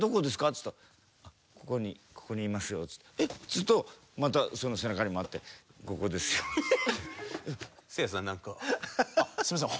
っつったら「ここにここにいますよ」っつって「えっ？」っつうとまたその背中に回って「ここですよ」。すいません。